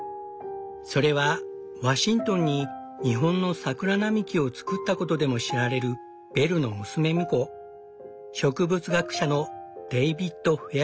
それはワシントンに日本の桜並木を作ったことでも知られるベルの娘婿植物学者のデイビッド・フェア